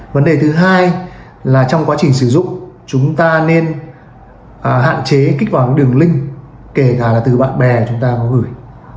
vấn đề thứ hai là trong quá trình sử dụng chúng ta nên hạn chế kích vào đường link kể cả là từ bạn bè chúng ta có gửi